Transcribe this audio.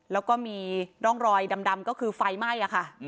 แล้วก็มีร่องรอยดำก็คือไฟไหม้ค่ะ